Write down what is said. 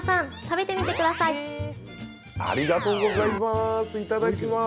ありがとうございます。